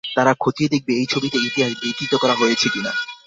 তারা খতিয়ে দেখবে এই ছবিতে ইতিহাস বিকৃত করা হয়েছে কি না।